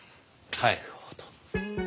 なるほど。